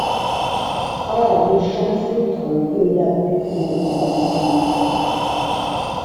Ah! le jean-foutre ! gueula Buteau en accourant.